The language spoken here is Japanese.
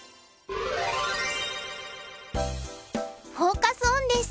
フォーカス・オンです。